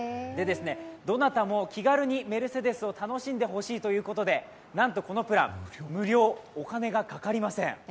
どなたも気軽にメルセデスを楽しんでほしいということで、なんとこのプラン、無料、お金がかかりません。